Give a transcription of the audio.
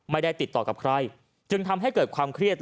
ไม่ได้ติดต่อกับใครจึงทำให้เกิดความเครียด